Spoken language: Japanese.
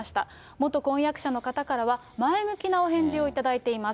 元婚約者の方からは、前向きなお返事を頂いています。